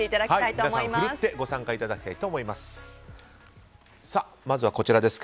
皆さん、奮ってご参加いただきたいと思います。